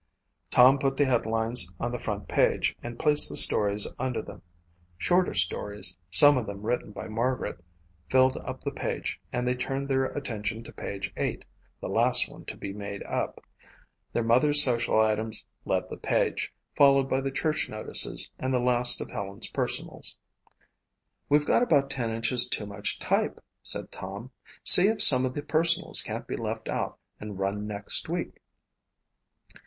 Tom put the headlines on the front page and placed the stories under them. Shorter stories, some of them written by Margaret, filled up the page and they turned their attention to page eight, the last one to be made up. Their mother's social items led the page, followed by the church notices and the last of Helen's personals. "We've got about ten inches too much type," said Tom. "See if some of the personals can't be left out and run next week."